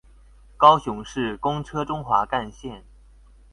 高雄市公車中華幹線